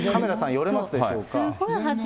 寄れますでしょうか。